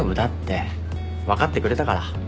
分かってくれたから。